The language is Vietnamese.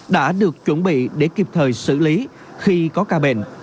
đã được chuẩn bị để kịp thời xử lý khi có ca bệnh